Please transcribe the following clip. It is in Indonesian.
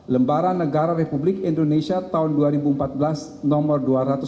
lembaran negara republik indonesia tahun dua ribu empat belas nomor dua ratus empat puluh